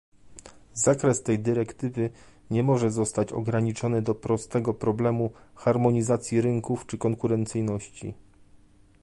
Zakres tej dyrektywy nie może zostać ograniczony do prostego problemu harmonizacji rynków czy konkurencyjności